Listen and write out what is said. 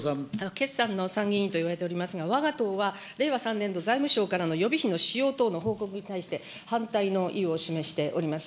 決算の参議院といわれておりますが、わが党は令和３年度、財務省からの予備費の使用等の報告に対して、反対の意を示しております。